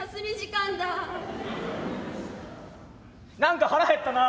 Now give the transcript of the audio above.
「何か腹減ったな。